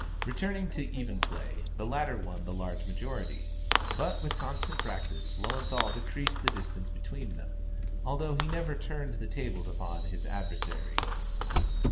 Returning to even play, the latter won the large majority; but with constant practice, Löwenthal decreased the distance between them, although he never turned the tables upon his adversary.